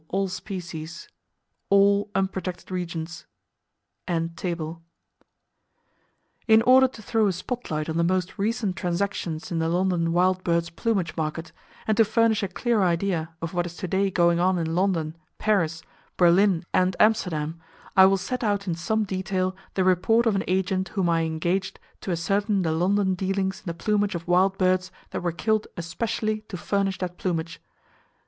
Tern, all species All unprotected regions. Gull, all species All unprotected regions. In order to throw a spot light on the most recent transactions in the London wild birds' plumage market, and to furnish a clear idea of what is to day going on in London, Paris, Berlin and Amsterdam, I will set out in some detail the report of an agent whom I engaged to ascertain the London dealings in the plumage of wild birds that were killed especially to furnish that plumage.